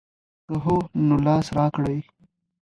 که هو نو لاس راکړئ.